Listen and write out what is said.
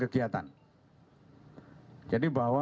kegiatan jadi bahwa